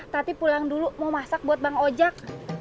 tati pulang dulu mau masak buat bang ojak